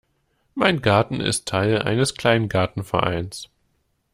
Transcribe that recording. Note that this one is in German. Mein Garten ist Teil eines Kleingartenvereins.